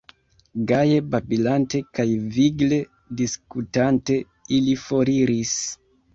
Gaje babilante kaj vigle diskutante, ili foriris.